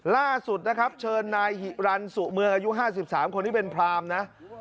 ล่าสุดนะครับเชิญนายหิรันสุเมืองอายุ๕๓คนที่เป็นพรามนะ